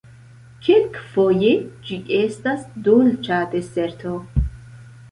Kelkfoje, ĝi estas dolĉa deserto.